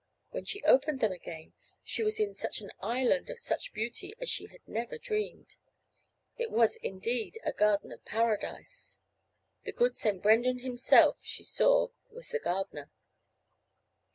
When she opened them again she was in an island of such beauty as she had never dreamed. It was indeed a garden of Paradise. The good St. Brendan himself, she saw, was the gardener.